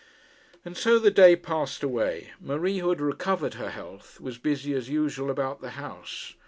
And so the day passed away. Marie, who had recovered her health, was busy as usual about the house.